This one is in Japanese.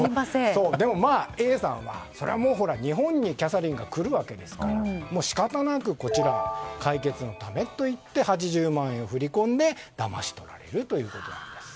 でも、Ａさんはそれはもう日本にキャサリンが来るわけですから仕方なく解決のためと言って８０万円を振り込んでだまし取られるということです。